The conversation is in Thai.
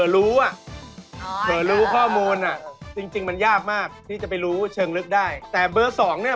แล้วก็องค์ความรู้ของเขานี่